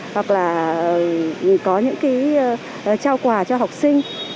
hoặc là có những cái trao quà cho học sinh để tức là tạo hướng khởi cho học sinh đến trường